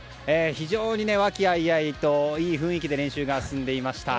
非常に和気あいあいといい雰囲気で練習が進んでいました。